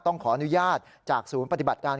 ต้องขออนุญาตจากศูนย์ปฏิบัติการ